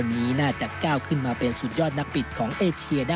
วินนี่